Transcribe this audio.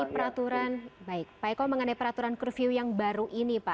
pak eko mengenai peraturan curfew yang baru ini